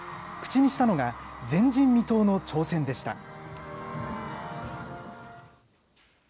口にしたのが、前人未到の挑戦でした。